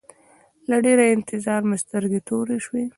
له ډېره انتظاره مې سترګې تورې شوې.